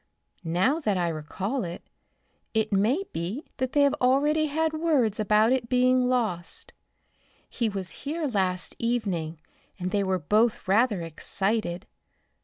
Now that I recall it, it may be that they have already had words about it being lost. He was here last evening and they were both rather excited.